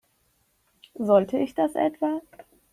Sollte ich das etwa?